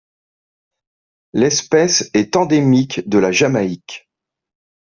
L'espèce est endémique de la Jamaïque.